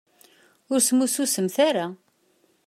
Ur smussusemt ara.